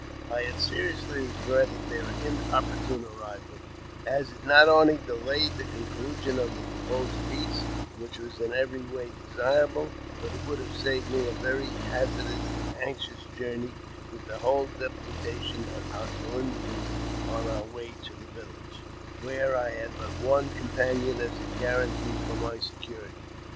I seriously regretted their inoppor tune arrival, as it not only delayed the conclusion of the pro posed peace, which was in every way desirable, but it would ' have saved me a very hazardous and anxious journey with the whole deputation of hostile Indians on our way to the village, where I had but one companion as a guarantee for my security.